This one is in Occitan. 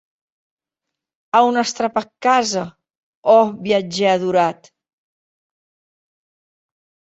A on as trapat casa, ò viatgèr adorat?